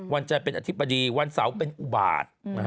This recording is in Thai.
วันจันทร์เป็นอธิบดีวันเสาร์เป็นอุบาต